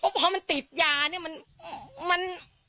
พอมันติดยาเนี่ย